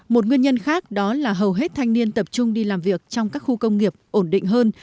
một nguyên nhân khác đó là hầu hết thanh niên tập trung đi làm việc trong các khu công nghiệp ổn định hơn